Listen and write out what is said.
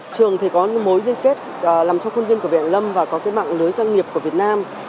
trường thì có mối liên kết làm cho khuôn viên của việt nam và có cái mạng lưới doanh nghiệp của việt nam